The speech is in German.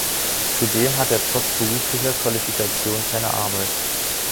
Zudem hat er trotz beruflicher Qualifikation keine Arbeit.